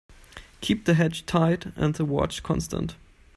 Keep the hatch tight and the watch constant.